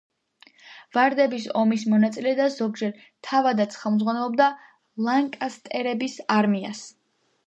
ვარდების ომის მონაწილე და ზოგჯერ თავადაც ხელმძღვანელობდა ლანკასტერების არმიას.